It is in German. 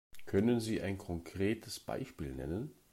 Können Sie ein konkretes Beispiel nennen?